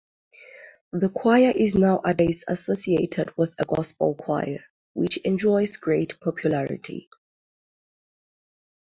The choir is nowadays associated with a Gospel choir, which enjoys great popularity.